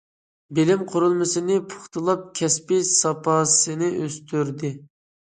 بىلىم قۇرۇلمىسىنى پۇختىلاپ، كەسپىي ساپاسىنى ئۆستۈردى.